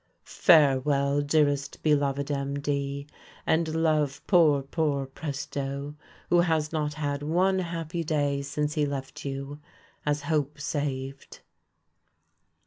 "Farewell, dearest beloved MD, and love poor, poor Presto, who has not had one happy day since he left you, as hope saved."